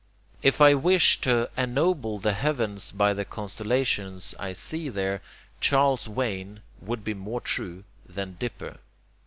If I wish to ennoble the heavens by the constellations I see there, 'Charles's Wain' would be more true than 'Dipper.'